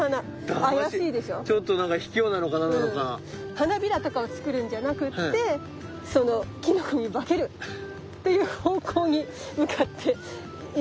花びらとかを作るんじゃなくってキノコに化けるっていう方向に向かって進化して今に至るみたいなね。